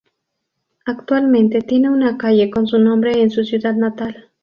Actualmente tiene una calle con su nombre en su ciudad natal.